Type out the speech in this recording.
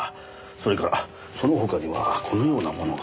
それからその他にはこのようなものが。